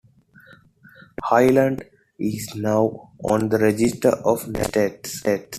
"Highlands" is now on the Register of the National Estate.